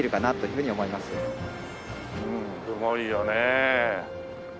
うんすごいよね。